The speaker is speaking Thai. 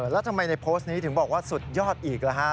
แล้วทำไมในโพสต์นี้ถึงบอกว่าสุดยอดอีกละฮะ